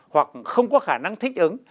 hoặc không có khả năng thích ứng